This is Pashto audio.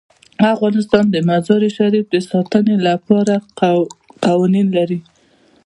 افغانستان د مزارشریف د ساتنې لپاره قوانین لري.